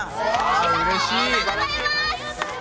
リサさんありがとうございます！